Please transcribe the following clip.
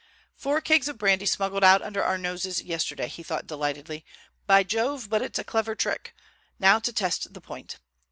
"Four kegs of brandy smuggled out under our noses yesterday," he thought delightedly. "By Jove! but it's a clever trick. Now to test the next point."